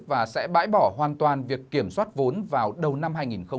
và sẽ bãi bỏ hoàn toàn việc kiểm soát vốn vào đầu năm hai nghìn một mươi chín